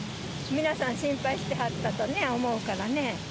皆さん、心配してはったと思うからね。